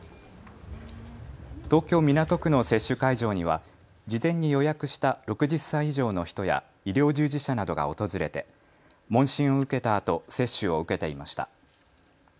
東京港区の接種会場には事前に予約した６０歳以上の人や医療従事者などが訪れて問診を受けたあと接種を受けていました。